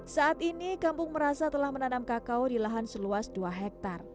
saat ini kampung merasa telah menanam kakao di lahan seluas dua hektare